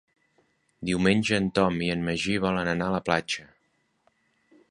Diumenge en Tom i en Magí volen anar a la platja.